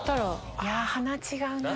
いや、鼻、違うな。